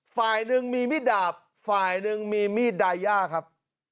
ฝ่ายหนึ่งมีมีดดาบฝ่ายหนึ่งมีมีดดายย่าครับ